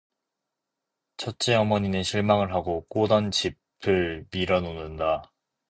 첫째 어머니는 실망을 하고 꼬던 짚을 밀어 놓는다.